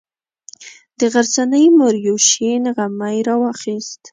د غرڅنۍ مور یو شین غمی راواخیست.